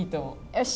よし！